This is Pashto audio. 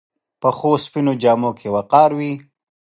پخو سپینو جامو کې وقار وي